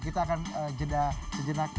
kita akan jeda sejenak